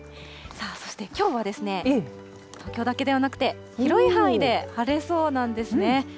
そして、きょうは東京だけではなくて、広い範囲で晴れそうなんですね。